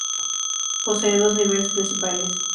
Posee dos niveles principales.